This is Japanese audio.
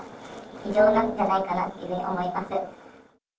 異常なんじゃないかなっていうふうに思います。